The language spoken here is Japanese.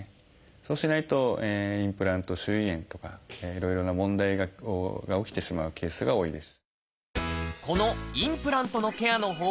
そうしないとインプラント周囲炎とかいろいろな問題が起きてしまうケースが多いです。